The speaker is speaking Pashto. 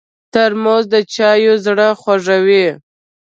ترموز د چایو زړه خوږوي.